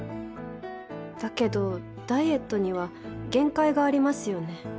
だけどダイエットには限界がありますよね。